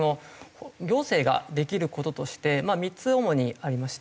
行政ができる事として３つ主にありまして。